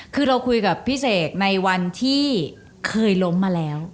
คือเราคุยกับพี่เสกในวันที่เคยล้มมาแล้ว